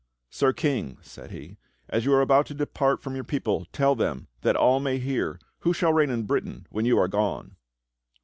"Sir King," said he, "as you are about to depart from your people, tell them, that all may hear, who shall reign in Britain when you are gone.?"